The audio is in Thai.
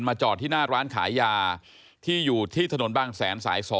จอดที่หน้าร้านขายยาที่อยู่ที่ถนนบางแสนสาย๒